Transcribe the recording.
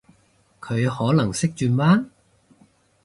佢可能識轉彎？